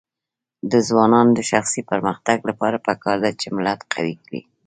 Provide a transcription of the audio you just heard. د ځوانانو د شخصي پرمختګ لپاره پکار ده چې ملت قوي کړي.